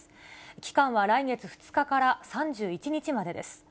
期間は来月２日から３１日までです。